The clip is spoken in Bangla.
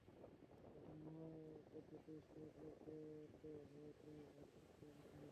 কিন্তু মা, পদ্ধতি সহজলভ্যও তো হওয়া চাই, আর সস্তাও হতে হবে।